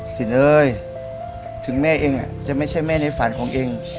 สินเอ๋ยถึงแม่เอ็งอ่ะจะไม่ใช่แม่ในฝันของเอ็ง